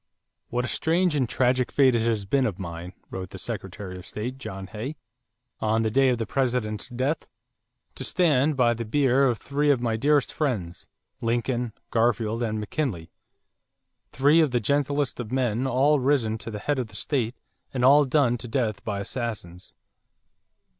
"What a strange and tragic fate it has been of mine," wrote the Secretary of State, John Hay, on the day of the President's death, "to stand by the bier of three of my dearest friends, Lincoln, Garfield, and McKinley, three of the gentlest of men, all risen to the head of the state and all done to death by assassins."